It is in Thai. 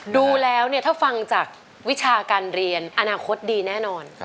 ดูแล้วเนี่ยถ้าฟังจากวิชาการเรียนอนาคตดีแน่นอน